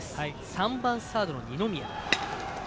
３番、サードの二宮。